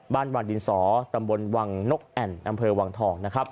บ้านหวานดินสอตำบลวังนกแอ่นอำเภอวังทอง